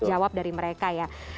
jawab dari mereka ya